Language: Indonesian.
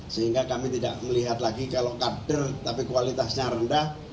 sehingga kami tidak melihat lagi kalau kader tapi kualitasnya rendah